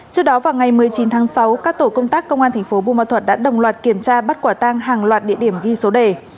trước đó vào ngày một mươi chín tháng sáu các tổ công tác công an thành phố bùa ma thuật đã đồng loạt kiểm tra bắt quả tang hàng loạt địa điểm ghi số đề